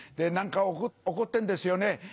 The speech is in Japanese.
何か怒ってんですよね。